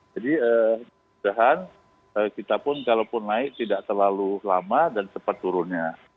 jadi kita pun kalau pun naik tidak terlalu lama dan cepat turunnya